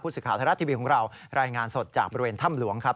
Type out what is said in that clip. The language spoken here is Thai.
พูดสึกข่าวทะละทีวีของเรารายงานสดจากบริเวณถ้ำหลวงครับ